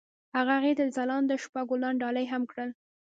هغه هغې ته د ځلانده شپه ګلان ډالۍ هم کړل.